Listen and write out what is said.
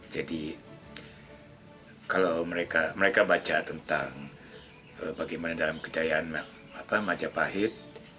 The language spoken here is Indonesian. jadi kalau mereka baca tentang bagaimana dalam kejayaan majapahit